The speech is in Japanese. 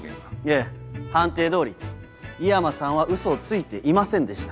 ええ判定通り井山さんはウソをついていませんでした。